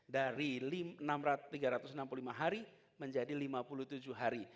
dari tiga ratus enam puluh lima hari menjadi lima puluh tujuh hari